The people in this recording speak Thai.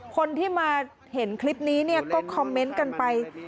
คนที่มาเห็นคลิปนี้เนี่ยก็คอมเมนต์กันไป